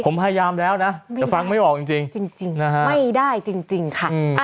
ผมพยายามแล้วนะแต่ฟังไม่ออกจริงนะฮะไม่ได้จริงค่ะ